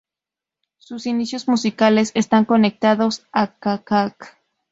Sus inicios musicales están conectados a Čačak.